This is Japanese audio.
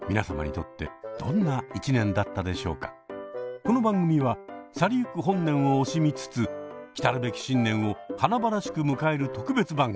この番組は去りゆく本年を惜しみつつきたるべき新年を華々しく迎える特別番組！